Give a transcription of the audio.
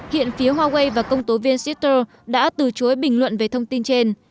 hiện phía huawei và công tố viên shitter đã từ chối bình luận về thông tin trên